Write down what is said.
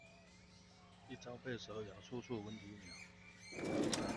一朝被蛇咬，處處聞啼鳥